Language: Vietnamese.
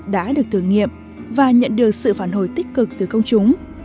đã được thử nghiệm và nhận được sự phản hồi tích cực từ công chúng